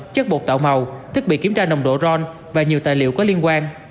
chất bột tạo màu thiết bị kiểm tra nồng độ ron và nhiều tài liệu có liên quan